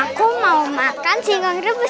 aku mau makan singgang rebus biung